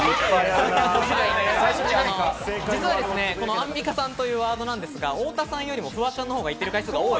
アンミカさんというワードは、太田さんよりもフワちゃんのほうが言っている回数が多い。